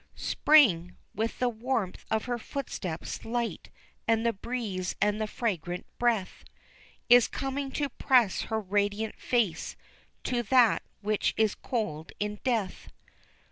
SPRING, with the warmth in her footsteps light, and the breeze and the fragrant breath, Is coming to press her radiant face to that which is cold in death.